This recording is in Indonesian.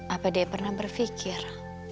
apa dia pernah berpikir